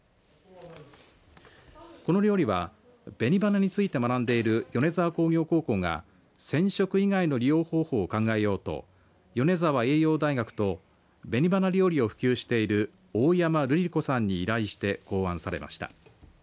この料理は紅花について学んでいる米沢工業高校が染色以外の利用方法を考えようと米沢栄養大学と紅花料理を普及している大山るり子さんに依頼して考案されました。